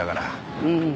うん。